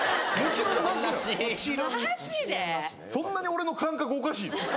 そんなに俺の感覚おかしいの？